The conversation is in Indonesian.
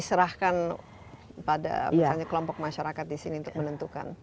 itu apakah pertanyaannya atau diserahkan ke kelompok masyarakat di sini untuk menentukan